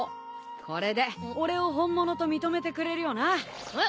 これで俺を本物と認めてくれるよな？えっ！？